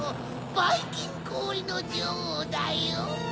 バイキンこおりのじょおうだよ！